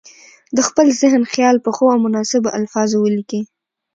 د خپل ذهن خیال په ښو او مناسبو الفاظو ولیکي.